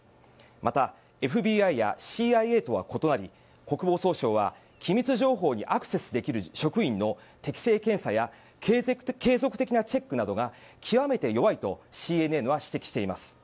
またＦＢＩやＣＩＡとは異なり国防総省は機密情報にアクセスできる職員の適性検査や継続的なチェックなどが極めて弱いとＣＮＮは指摘しています。